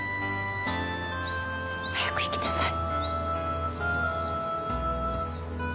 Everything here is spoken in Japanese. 早く行きなさい。